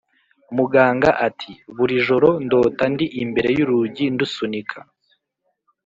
muganga ati « buri joro ndota ndi imbere y’urugi ndusunika,